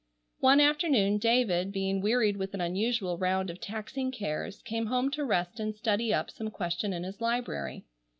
One afternoon David, being wearied with an unusual round of taxing cares, came home to rest and study up some question in his library.